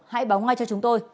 hãy báo ngay cho chúng tôi